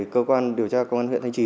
cơ quan điều tra công an huyện thanh trì